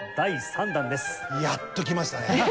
やっときましたね。